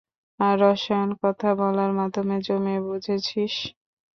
আর রসায়ন কথা বলার মাধ্যমে জমে, বুঝেছিস?